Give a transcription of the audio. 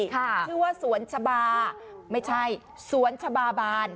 ชื่อว่าสวนชะบาไม่ใช่สวนชะบาบาน